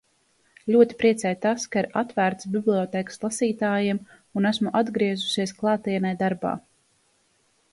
Ļoti priecē tas, ka ir atvērtas bibliotēkas lasītājiem un esmu atgriezusies klātienē darbā.